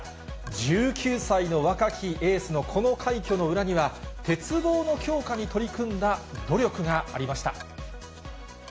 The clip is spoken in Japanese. １９歳の若きエースのこの快挙の裏には、鉄棒の強化に取り組んだ努力がありました。